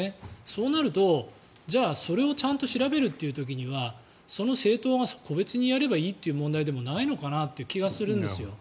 そうなると、じゃあそれをちゃんと調べる時にはその政党が個別にやればいいという問題でもないのかなという気がするんですよ。